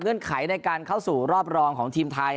ไขในการเข้าสู่รอบรองของทีมไทย